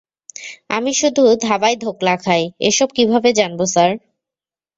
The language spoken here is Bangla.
আমি শুধু ধাবায় ধোকলা খাই, এসব কিভাবে জানবো, স্যার।